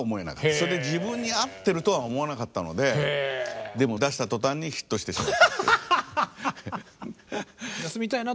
それで自分に合ってるとは思わなかったのででも出した途端にヒットしてしまったと。